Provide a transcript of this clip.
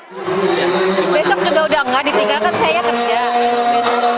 besok juga udah nggak ditinggal kan saya kerja